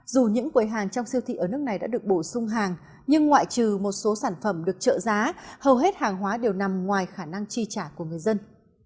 dù những quầy hàng trong siêu thị ở nước này đã được bổ sung hàng nhưng ngoại trừ một số sản phẩm được trợ giá hầu hết hàng hóa đều nằm ngoài khả năng chi trả của người dân